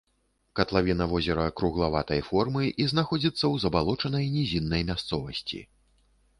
Катлавіна возера круглаватай формы і знаходзіцца ў забалочанай нізіннай мясцовасці.